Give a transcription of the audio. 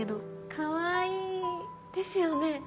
かわいい。ですよね。